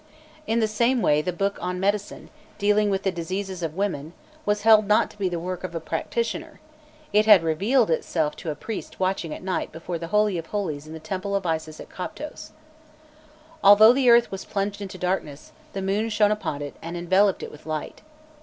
In the same way, the book on medicine, dealing with the diseases of women, was held not to be the work of a practitioner; it had revealed itself to a priest watching at night before the Holy of Holies in the temple of Isis at Coptos. "Although the earth was plunged into darkness, the moon shone upon it and enveloped it with light.